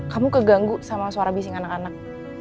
kamu keganggu sama suara bising anak anak